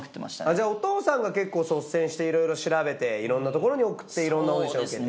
じゃあお父さんが結構率先していろいろ調べていろんなところに送っていろんなオーディションを受けて。